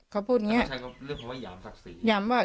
เขาพูดอย่างเงี้ย